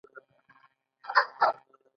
• د برېښنا ساتنه زموږ مسؤلیت دی.